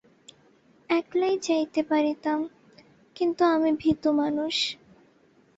একলাই যাইতে পারিতাম, কিন্তু আমি ভিতু মানুষ।